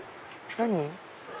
何？